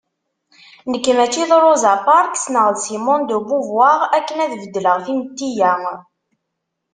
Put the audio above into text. Nekk mačči d Rosa Parks neɣ Simone de Beauvoir akken ad beddleɣ timetti-ya.